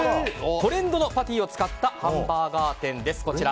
トレンドのパティを使ったハンバーガー店です。